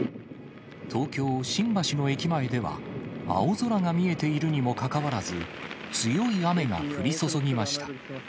東京・新橋の駅前では、青空が見えているにもかかわらず、強い雨が降り注ぎました。